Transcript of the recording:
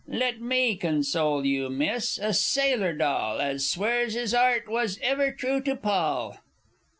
Let me console you, Miss, a Sailor Doll As swears his 'art was ever true to Poll!